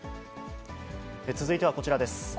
続いてはこちらです。